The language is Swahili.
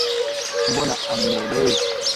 Mbona hamnielewi?